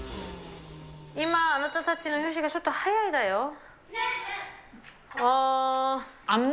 今、あなたたちのダンスはちょっと速いだよ。